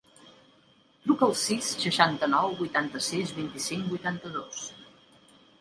Truca al sis, seixanta-nou, vuitanta-sis, vint-i-cinc, vuitanta-dos.